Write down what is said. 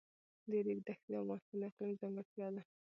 د ریګ دښتې د افغانستان د اقلیم ځانګړتیا ده.